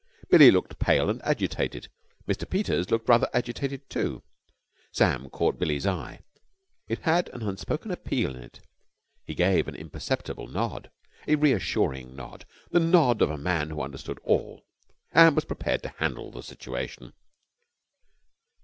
Billie looked pale and agitated. Mr. Peters looked rather agitated too. Sam caught Billie's eye. It had an unspoken appeal in it. He gave an imperceptible nod, a reassuring nod, the nod of a man who understood all and was prepared to handle the situation.